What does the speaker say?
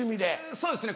そうですね。